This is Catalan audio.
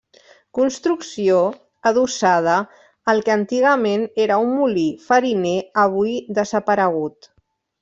Construcció adossada al que antigament era un molí fariner avui desaparegut.